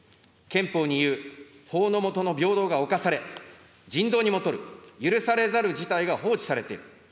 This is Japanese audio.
憲法にいう、法の下の平等が侵され、人道にもとる許されざる事態が放置されている。